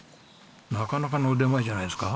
なかなかの腕前じゃないですか。